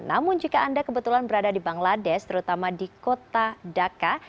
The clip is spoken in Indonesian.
namun jika anda kebetulan berada di bangladesh terutama di kota dhaka